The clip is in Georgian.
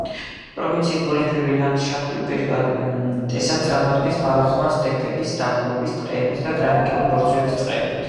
პროვინციის ბუნებრივი ლანდშაფტი უპირატესად წარმოადგენს ბალახოვან სტეპების დაბლობს, ტყეებით და გრანიტული ბორცვების წყებით.